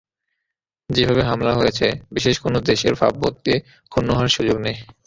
যেভাবে হামলা হয়েছে, বিশেষ কোনো দেশের ভাবমূর্তি ক্ষুণ্ন হওয়ার সুযোগ নেই।